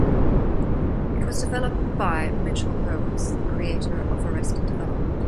It was developed by Mitchell Hurwitz, the creator of "Arrested Development".